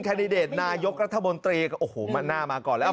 แคนดิเดร์ตนายกรัฐบนตรีกับโอ้โหมันหน้ามาก่อนแล้ว